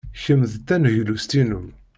Kemm d taneglust-inu.